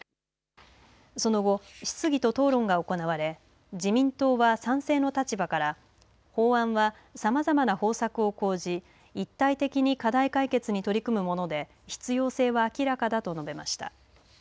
その後、質疑と討論が行われ自民党は賛成の立場から法案はさまざまな方策を講じ一体的に課題解決に取り組むもので必要性は明らかだと述べました。